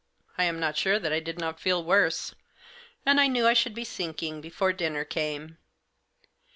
I am not sure that I did not feel worse ; and I knew I should be sinking before dinner came.